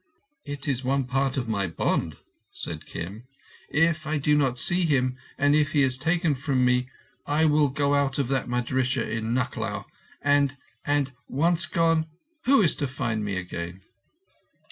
"It is one part of my bond," said Kim. "If I do not see him, and if he is taken from me, I will go out of that madrissah in Nucklao and, and—once gone, who is to find me again?"